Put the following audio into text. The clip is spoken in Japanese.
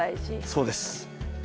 そうです。